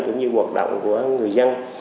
cũng như hoạt động của người dân